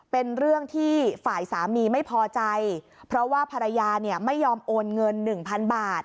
เป็นเรื่องที่ฝ่ายสามีไม่พอใจเพราะว่าภรรยาเนี่ยไม่ยอมโอนเงินหนึ่งพันบาท